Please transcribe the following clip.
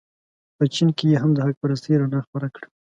په چین کې یې هم د حق پرستۍ رڼا خپره کړه.